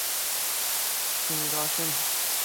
Tengdoshim